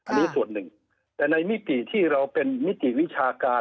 อันนี้ส่วนหนึ่งแต่ในมิติที่เราเป็นมิติวิชาการ